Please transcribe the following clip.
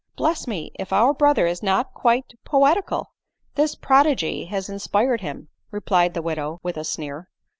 " Bless me ! if our brother is not quite poetical ! This prodigy has inspired him," replied the widow with a sneer.